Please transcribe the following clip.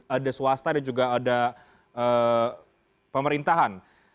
ada swasta ada juga pemerintahan